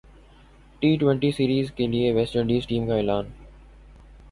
T twenty series کیلئے West Indian team کااعلان